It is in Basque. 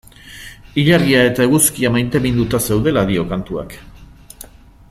Ilargia eta eguzkia maiteminduta zeudela dio kantuak.